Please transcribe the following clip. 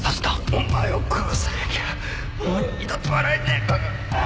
お前を殺さなきゃもう二度と笑えねえ